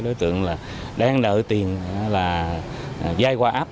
đối tượng đang nợ tiền dai qua app